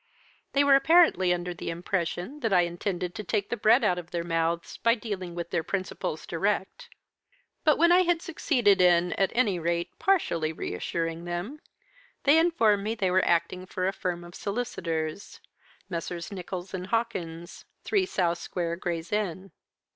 They were apparently under the impression that I intended to take the bread out of their mouths, by dealing with their principals direct. But when I had succeeded in, at any rate, partly reassuring them, they informed me they were acting for a firm of solicitors Messrs. Nicholls & Hawkins, 3, South Square, Gray's Inn."